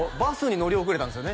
乗り遅れたんですよね？